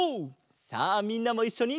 さあみんなもいっしょに！